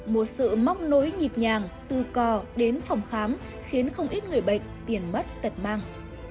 một sự móc nối nhịp nhàng từ cò đến phòng khám khiến không ít người bệnh tiền mất tật mang